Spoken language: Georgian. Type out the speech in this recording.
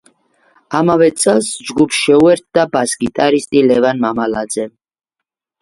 ამავე წელს ჯგუფს შეუერთდა ბას-გიტარისტი ლევან მამალაძე.